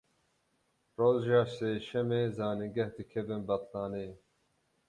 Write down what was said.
Roja sêşemê zanîngeh dikevin betlaneyê.